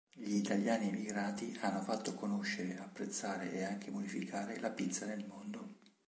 Gli italiani emigrati hanno fatto conoscere, apprezzare e anche modificare la pizza nel mondo.